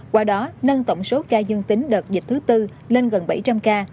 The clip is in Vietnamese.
qua đó nâng tổng số ca dương tính đợt dịch thứ tư lên gần bảy trăm linh ca